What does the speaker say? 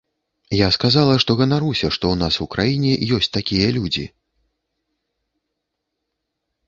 Я сказала, што ганаруся, што ў нас у краіне ёсць такія людзі.